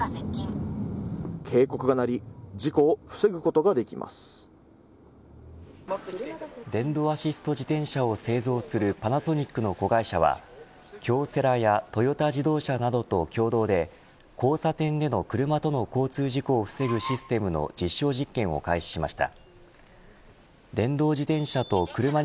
警告が鳴り事故を防ぐことができ電動アシスト自転車を製造するパナソニックの子会社は京セラやトヨタ自動車などと共同で交差点での車との交通事故を防ぐシステムの実証実験を開始しました。